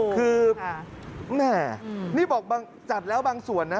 คือแม่นี่บอกจัดแล้วบางส่วนนะ